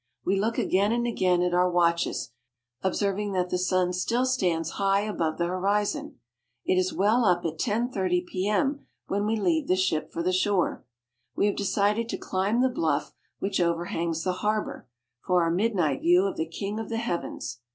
We look again and again at our watches, ob serving that the sun still stands high above the horizon. It is well up at 10. 30 p.m., when we leave the ship for the shore. We have decided to climb the bluff which overhangs the harbor, for our midnight view of the King of the Heav ens.